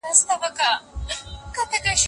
د ژوند حق ډېر مهم حق دی.